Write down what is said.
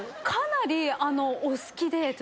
かなりお好きで。